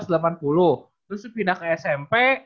terus pindah ke smp